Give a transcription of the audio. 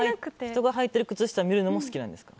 人がはいてる靴下見るのも好きなんですか？